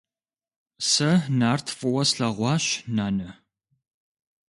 Сэ Нарт фӀыуэ слъэгъуащ, нанэ.